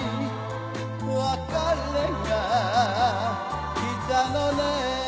「別れが来たのね」